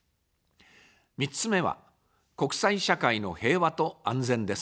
３つ目は、国際社会の平和と安全です。